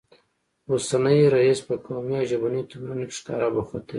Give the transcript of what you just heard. اوسنی رییس په قومي او ژبنیو توپیرونو کې ښکاره بوخت دی